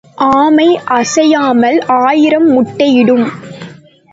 ஆமை அசையாமல் ஆயிரம் முட்டையிடும்.